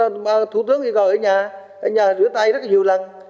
nước thủ tướng thì gọi ở nhà ở nhà rửa tay rất nhiều lần